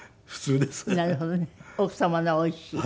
奥様のはおいしい？